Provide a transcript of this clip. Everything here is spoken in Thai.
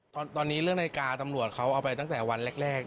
ตอนนี้เรื่องนาฬิกาตำรวจเขาเอาไปตั้งแต่วันแรก